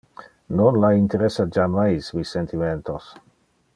Non la interessa jammais mi sentimentos.